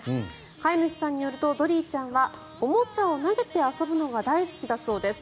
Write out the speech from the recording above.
飼い主さんによるとドリーちゃんはおもちゃを投げて遊ぶのが大好きだそうです。